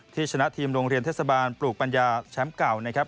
ชนะทีมโรงเรียนเทศบาลปลูกปัญญาแชมป์เก่านะครับ